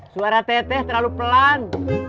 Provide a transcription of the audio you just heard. suara teteh terlalu pelan